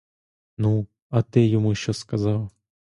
Ну, а ти йому що сказав?